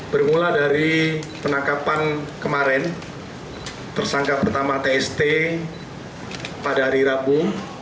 bermula dari penangkapan kemarin tersangka pertama tst pada hari rabu